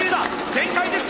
全開です！